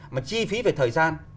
mà chi phí về thời gian